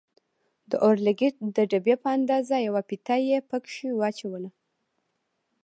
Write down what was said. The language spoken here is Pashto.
د اورلګيت د دبي په اندازه يوه فيته يې پکښې واچوله.